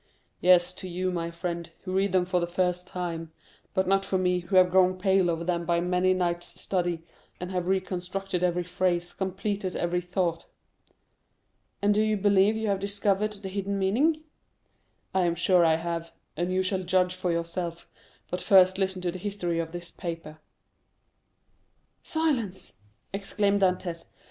"Yes, to you, my friend, who read them for the first time; but not for me, who have grown pale over them by many nights' study, and have reconstructed every phrase, completed every thought." "And do you believe you have discovered the hidden meaning?" "I am sure I have, and you shall judge for yourself; but first listen to the history of this paper." "Silence!" exclaimed Dantès.